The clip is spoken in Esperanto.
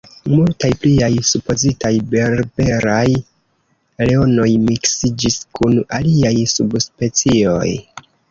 Multaj pliaj supozitaj berberaj leonoj miksiĝis kun aliaj subspecioj.